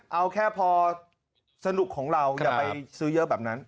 เอาแค่พอสนุกของเราอย่าไปซื้อเยอะแบบนั้น